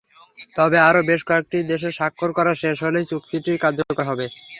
তবে আরও বেশ কয়েকটি দেশের স্বাক্ষর করা শেষ হলেই চুক্তিটি কার্যকর হবে।